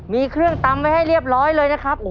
มีเครื่องตำไว้ให้เรียบร้อยเลยนะครับ